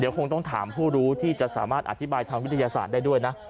คงต้องถามผู้รู้ที่จะสามารถอธิบายทางวิทยาศาสตร์ได้ด้วยนะ